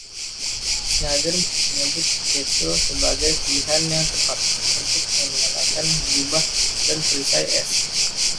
Snyder menyebut Cavill sebagai pilihan yang tepat untuk mengenakan jubah dan perisai S.